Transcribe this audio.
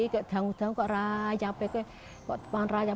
kek dangu dangu kek raja peke kek depan raja